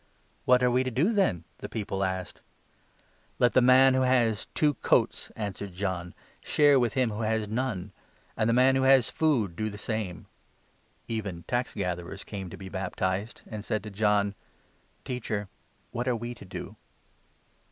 " What are we to do then ?" the people asked. 10 " Let the man who has two coats, ' answered John, "share n with him who has none ; and the man who has food do the same." Even tax gatherers came to be baptized, and said to John : 12 " Teacher, what are we to do